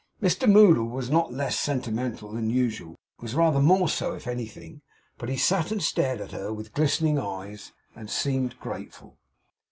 Mr Moddle was not less sentimental than usual; was rather more so, if anything; but he sat and stared at her with glistening eyes, and seemed grateful.